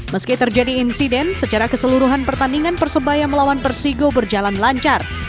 meski terjadi insiden secara keseluruhan pertandingan persebaya melawan persigo berjalan lancar